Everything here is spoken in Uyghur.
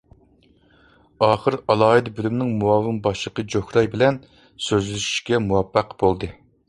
ئاخىر ئالاھىدە بۆلۈمنىڭ مۇئاۋىن باشلىقى جوھراي بىلەن سۆزلىشىشكە مۇۋەپپەق بولدى.